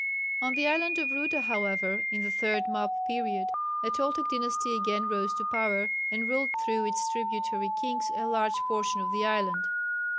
On the island of Ruta however, in the third map period, a Toltec dynasty again rose to power and ruled through its tributary kings a large portion of the island.